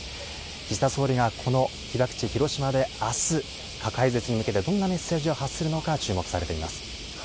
岸田総理がこの被爆地、広島であす、核廃絶に向けてどんなメッセージを発するのか、注目されています。